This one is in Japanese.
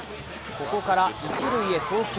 ここから一塁へ送球。